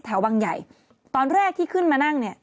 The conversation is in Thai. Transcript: วังใหญ่ตอนแรกที่ขึ้นมานั่งเนี่ย